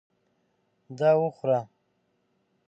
دا وخوره !